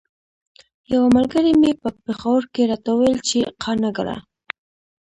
یوه ملګري مې په پیښور کې راته ویل چې قانه ګله.